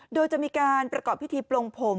โดยจะมีการประกอบพิธีปลงผม